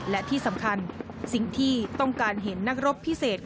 และที่สำคัญสิ่งที่ต้องการเห็นนักรบพิเศษ